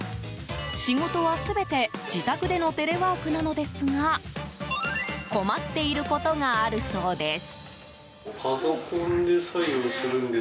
仕事は全て自宅でのテレワークなのですが困っていることがあるそうです。